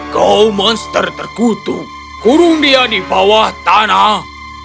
kau monster terkutuk kurung dia di bawah tanah